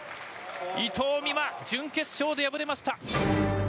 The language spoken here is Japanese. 伊藤美誠、準決勝で敗れました。